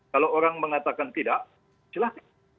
kalau orang mengatakan tidak silahkan